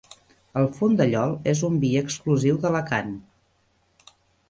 El Fondellol és un vi exclusiu d'Alacant.